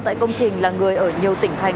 tại công trình là người ở nhiều tỉnh thành